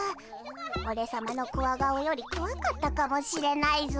オレさまのコワ顔よりこわかったかもしれないぞ。